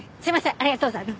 ありがとうございます。